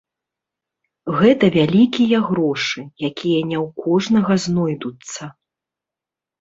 Гэта вялікія грошы, якія не ў кожнага знойдуцца.